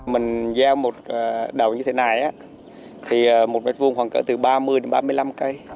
mình gieo một đậu như thế này á thì một mét vuông khoảng từ ba mươi đến ba mươi năm cây